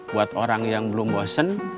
buat orang yang belum bosen